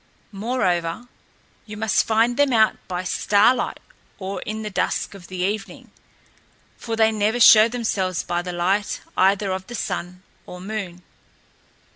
Moreover, you must find them out by starlight or in the dusk of the evening, for they never show themselves by the light either of the sun or moon."